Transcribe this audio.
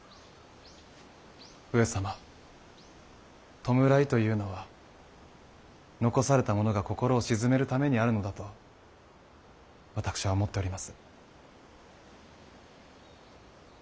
弔いというのは残された者が心を鎮めるためにあるのだと私は思っております。